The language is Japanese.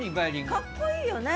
かっこいいよね。